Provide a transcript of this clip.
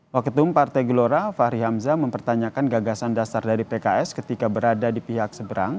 waketum partai gelora fahri hamzah mempertanyakan gagasan dasar dari pks ketika berada di pihak seberang